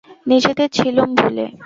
নিজেদের ছিলুম ভুলে।